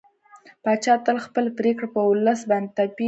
پاچا تل خپلې پرېکړې په ولس باندې تپي.